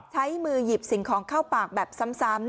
ใช้มือหยิบสิ่งของเข้าปากแบบซ้ำ